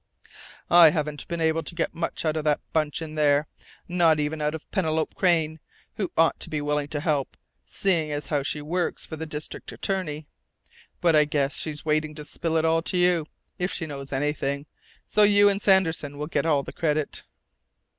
"I haven't been able to get much out of that bunch in there not even out of Penelope Crain, who ought to be willing to help, seeing as how she works for the district attorney. But I guess she's waiting to spill it all to you, if she knows anything, so you and Sanderson will get all the credit."